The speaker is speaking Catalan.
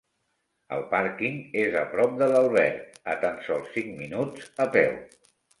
El pàrquing és a prop de l'alberg, a tan sols cinc minuts a peu.